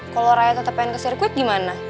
kalau raya tetap pengen ke sirkuit gimana